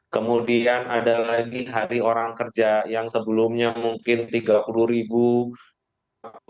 kemudian ada lagi hari orang kerja yang sebelumnya mungkin tiga puluh ribu